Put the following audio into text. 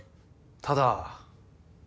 ただ。